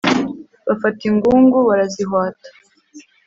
bafata ingungu barazihwata